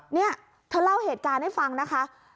เนี่ยเธอเล่าเหตุการณ์ให้ฟังนะคะ